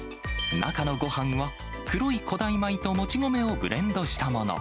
中のごはんは、黒い古代米ともち米をブレンドしたもの。